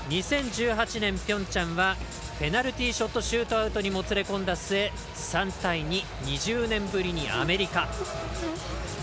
２０１８年、ピョンチャンはペナルティーショットシュートアウトにもつれ込んだ末３対２、２０年ぶりにアメリカ。